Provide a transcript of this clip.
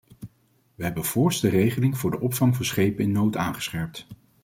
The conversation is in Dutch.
We hebben voorts de regeling voor de opvang van schepen in nood aangescherpt.